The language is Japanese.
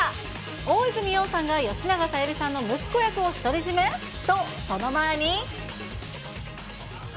大泉洋さんが吉永小百合さんの息子役を一人占め？と、その前に。